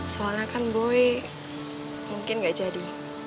soalnya kan boy mungkin gak jadi